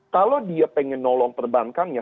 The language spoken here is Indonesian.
kalau dia pengen nolong perbankannya